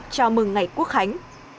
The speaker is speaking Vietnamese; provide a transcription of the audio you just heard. chào mừng ngày quốc hành